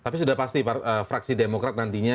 tapi sudah pasti fraksi demokrat nantinya